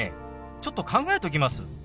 ちょっと考えときます。